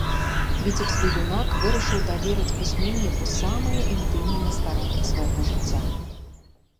Віцебскі юнак вырашыў даверыць пісьменніку самыя інтымныя старонкі свайго жыцця.